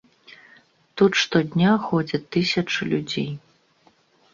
Тут штодня ходзяць тысячы людзей.